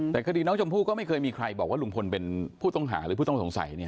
แต่คดีน้องชมพู่ก็ไม่เคยมีใครบอกว่าลุงพลเป็นผู้ต้องหาหรือผู้ต้องสงสัย